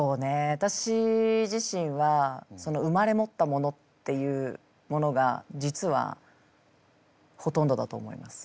私自身は生まれ持ったものっていうものが実はほとんどだと思います。